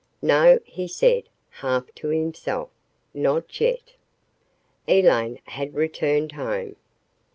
"No," he said, half to himself, "not yet." Elaine had returned home.